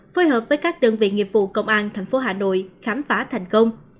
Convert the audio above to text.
phối hợp với các đơn vị nghiệp vụ công an tp hà nội khám phá thành công